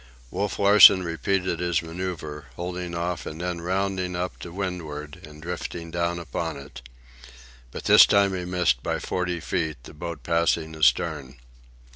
Wolf Larsen repeated his manœuvre, holding off and then rounding up to windward and drifting down upon it. But this time he missed by forty feet, the boat passing astern.